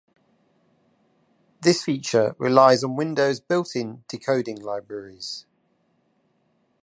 This feature relies on Windows' built in decoding libraries.